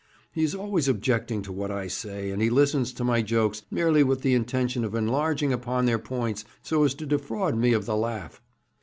He is always objecting to what I say, and he listens to my jokes merely with the intention of enlarging upon their points so as to defraud me of the laugh.'